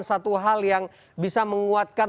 satu hal yang bisa menguatkan